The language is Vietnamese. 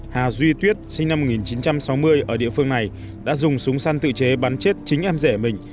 hà duy tuyết sinh năm một nghìn chín trăm sáu mươi ở địa phương này đã dùng súng săn tự chế bắn chết chính em rẻ mình